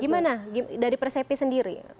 gimana dari persepi sendiri